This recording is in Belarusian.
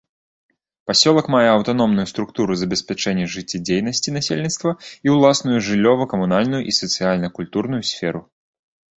Пасёлак мае аўтаномную структуру забеспячэння жыццядзейнасці насельніцтва і ўласную жыллёва-камунальную і сацыяльна-культурную сферу.